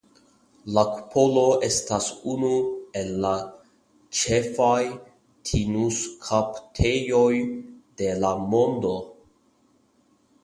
La kupolo estas unu el la ĉefaj tinuskaptejoj de la mondo.